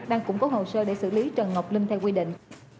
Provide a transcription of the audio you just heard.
đang củng cố hồ sơ để xử lý trần ngọc linh theo quy định